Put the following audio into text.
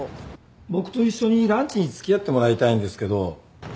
僕と一緒にランチに付き合ってもらいたいんですけど。